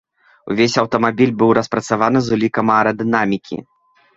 Увесь аўтамабіль быў распрацаваны з улікам аэрадынамікі.